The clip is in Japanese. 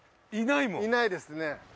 いないですね。